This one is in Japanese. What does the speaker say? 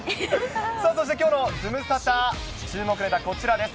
さあそしてきょうのズムサタ、注目ネタ、こちらです。